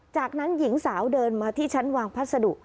จากนั้นหญิงสาวเดินมาที่ชั้นวางพัสดุ